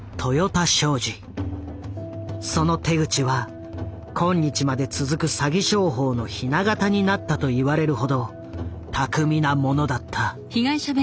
その手口は今日まで続く詐欺商法のひな型になったと言われるほど巧みなものだった。